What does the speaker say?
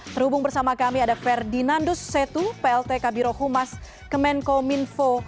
terhubung bersama kami ada ferdinandus setu plt kabiro humas kemenkominfo